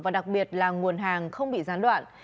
và đặc biệt là nguồn hàng không bị gián đoạn